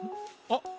あっ！